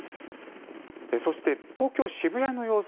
そして、東京・渋谷の様子